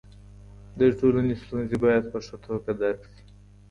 د ټولني ستونزې باید په ښه توګه درک سي.